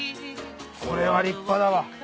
これは立派だわ。